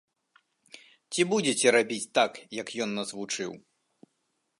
Ці будзеце рабіць так, як ён нас вучыў?